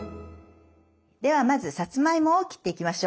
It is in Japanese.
ではまずさつまいもを切っていきましょう。